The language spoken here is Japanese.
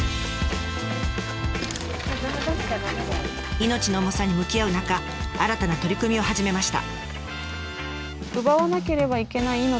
命の重さに向き合う中新たな取り組みを始めました。